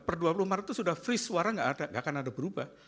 per dua puluh maret itu sudah freez suara nggak akan ada berubah